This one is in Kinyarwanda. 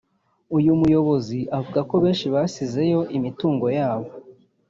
uyu muyobozi avuga ko benshi basizeyo imitungo yabo